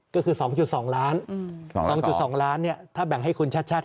ก็คือ๒๒ล้าน๒๒ล้านถ้าแบ่งให้คุณชาติชาติ